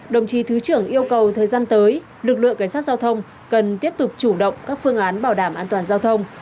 đồng chí thứ trưởng yêu cầu thời gian tới lực lượng cảnh sát giao thông cần tiếp tục chủ động các phương án bảo đảm an toàn giao thông